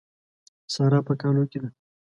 سارا په کالو کې ده.